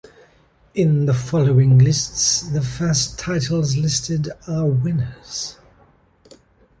In the following lists, the first titles listed are winners.